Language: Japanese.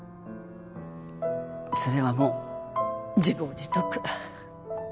それはもう自業自得。